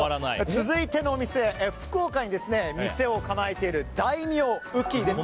続いてのお店福岡に店を構えている大名魚喜です。